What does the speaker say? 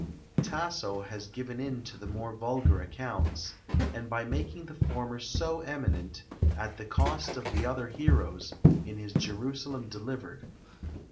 Tasso has given in to the more vulgar accounts, by making the former so eminent, at the cost of the other heroes, in his Jerusalem Delivered.